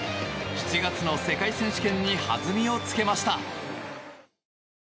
７月の世界選手権に弾みをつけました。